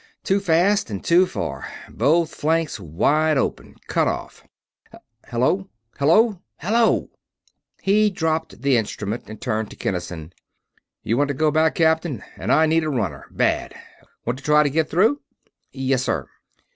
Too fast and too far both flanks wide open cut off ... Hello! Hello! Hello!" He dropped the instrument and turned to Kinnison. "You want to go back, Captain, and I need a runner bad. Want to try to get through?" "Yes, sir."